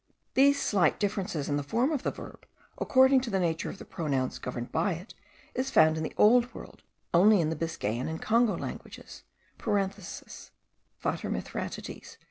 These slight differences in the form of the verb, according to the nature of the pronouns governed by it, is found in the Old World only in the Biscayan and Congo languages (Vater, Mithridates.